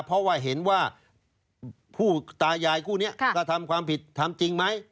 เพราะว่าเห็นว่าผู้ตายายคู่นี้กระทำความผิดทำจริงไหม